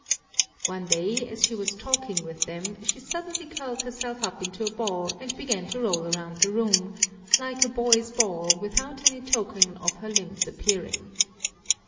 One day, as she was talking with them, she suddenly 204 I Some Crazy Saints curled herself up into a ball, and began to roll round the room, " like a boy's ball, without any token of her limbs appearing."